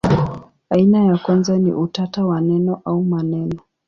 Aina ya kwanza ni utata wa neno au maneno.